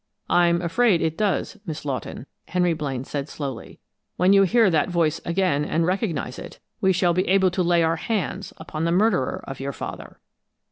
"I'm afraid it does, Miss Lawton." Henry Blaine said slowly. "When you hear that voice again and recognize it, we shall be able to lay our hands upon the murderer of your father."